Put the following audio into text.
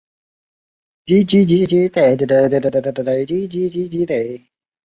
野桐为大戟科野桐属下的一个变种。